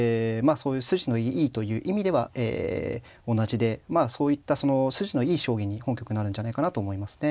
そういう筋のいいという意味では同じでまあそういったその筋のいい将棋に本局なるんじゃないかなと思いますね。